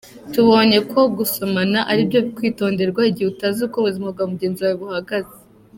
Tubonye ko gusomana ari ibyo kwitonderwa igihe utazi uko ubuzima bwa mugenzi wawe buhagaze.